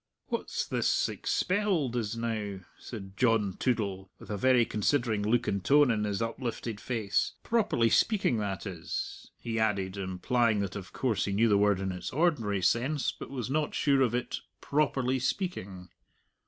"What's this 'expelled' is, now?" said John Toodle, with a very considering look and tone in his uplifted face "properly speaking, that is," he added, implying that of course he knew the word in its ordinary sense, but was not sure of it "properly speaking."